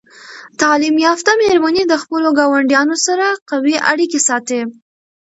تعلیم یافته میرمنې د خپلو ګاونډیانو سره قوي اړیکې ساتي.